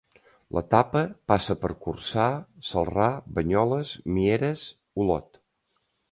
L'etapa passa per Corçà, Celrà, Banyoles, Mieres, Olot.